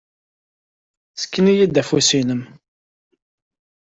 Ssken-iyi-d afus-nnem.